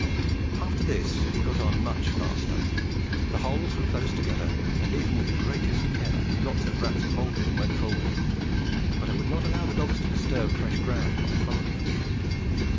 After this we got on much faster; the holes were close together, and even with the greatest care lots of rats bolted and went forward, but I would not allow the dogs to disturb fresh ground by following them.